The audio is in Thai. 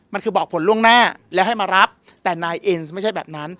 มันคือบอกผลล่วงหน้าแล้วให้มารับแต่นายเอ็นไม่ใช่แบบนั้น